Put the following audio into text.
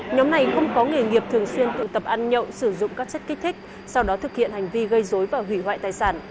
nhóm này không có nghề nghiệp thường xuyên tụ tập ăn nhậu sử dụng các chất kích thích sau đó thực hiện hành vi gây dối và hủy hoại tài sản